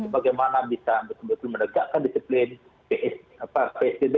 bagaimana bisa betul betul menegakkan disiplin psbb